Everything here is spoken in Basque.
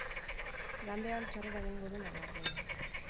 Igandean txarrera egingo du nabarmen.